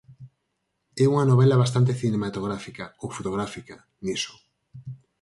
É unha novela bastante cinematográfica, ou fotográfica, niso.